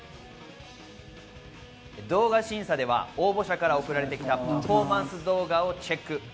動画審査では、応募者から送られてきたパフォーマンス動画をチェック。